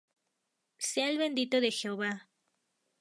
Sea él bendito de Jehová.